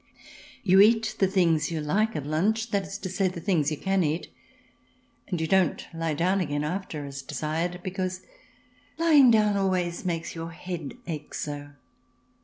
You eat the things you like at lunch — that is to say, the things you can eat — and you don't lie down again after, as desired, because lying down always makes your head ache so.